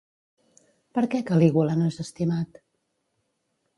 Per què Calígula no és estimat?